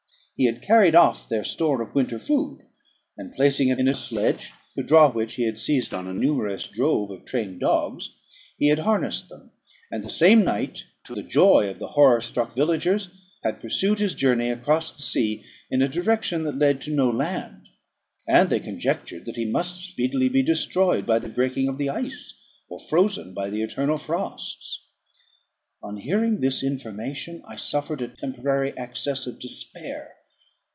He had carried off their store of winter food, and, placing it in a sledge, to draw which he had seized on a numerous drove of trained dogs, he had harnessed them, and the same night, to the joy of the horror struck villagers, had pursued his journey across the sea in a direction that led to no land; and they conjectured that he must speedily be destroyed by the breaking of the ice, or frozen by the eternal frosts. On hearing this information, I suffered a temporary access of despair.